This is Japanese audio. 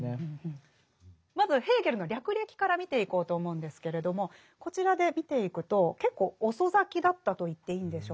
まずヘーゲルの略歴から見ていこうと思うんですけれどもこちらで見ていくと結構遅咲きだったと言っていいんでしょうか。